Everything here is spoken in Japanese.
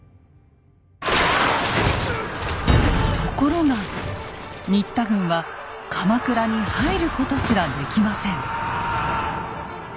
ところが新田軍は鎌倉に入ることすらできません。